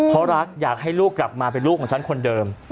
เพราะรักอยากให้ลูกกลับมาเป็นลูกของฉันคนเดิม